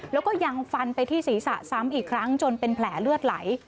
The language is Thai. แล้วก็ยังฟันไปที่ศีรษะซ้ำอีกครั้งจนเป็นแผลเลือดไหล